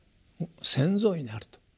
先祖になると。